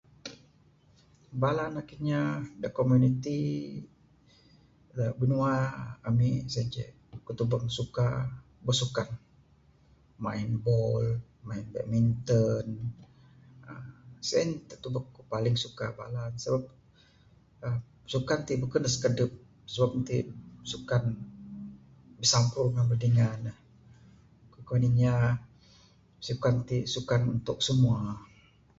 Bala anak inya da komuniti da binua ami sien ceh aku tubek ne suka bisukan...main bol, main badminton...sien da tubek ku da paling suka bala ne...sabab sukan ti beken ne sikadep...sabab ne ti sukan bisampur ngan bala dingan ne...kuan inya sukan ti sukan untuk semua.